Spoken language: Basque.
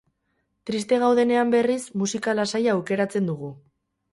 Triste gaudenean, berriz, musika lasaia aukeratzen dugu.